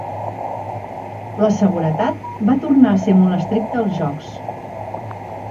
La seguretat va tornar a ser molt estricta als jocs.